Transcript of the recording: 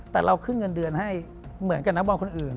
แต่เราขึ้นเงินเดือนให้เหมือนกับนักบอลคนอื่น